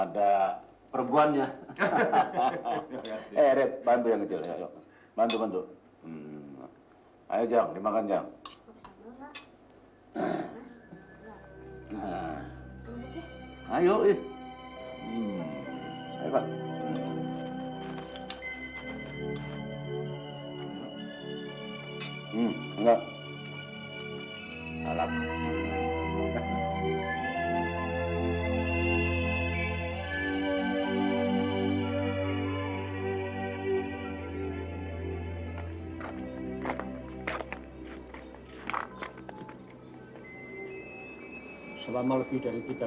sampai jumpa di video selanjutnya